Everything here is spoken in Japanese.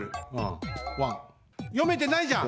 よめてないじゃん！